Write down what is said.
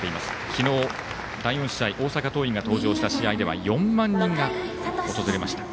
昨日、第４試合大阪桐蔭が登場した試合では４万人が訪れました。